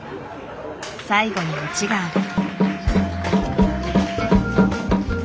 最後にオチがある。